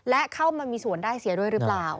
และเข้ามามีส่วนได้เสียด้วยหรือเปล่า